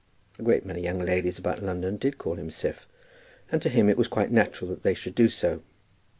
A great many young ladies about London did call him Siph, and to him it was quite natural that they should do so.